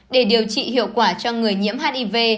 để điều trị hiệu quả cho người nhiễm hiv